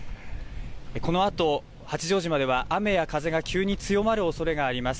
このあと八丈島では雨や風が急に強まるおそれがあります。